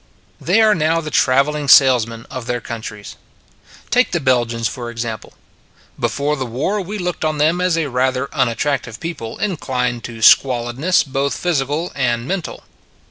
They are now the travelling salesmen of their countries. Take the Belgians for example. Be fore the war we looked on them as a rather unattractive people inclined to squalidness both physical and mental.